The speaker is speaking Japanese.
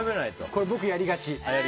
これ、僕やりがち。